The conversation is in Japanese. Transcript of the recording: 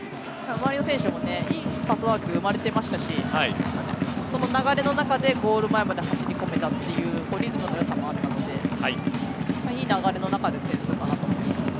周りの選手ともいいパスワーク生まれていましたしその流れの中でゴール前まで走り込めたというリズムの良さもあったのでいい流れの中での点数かなと思います。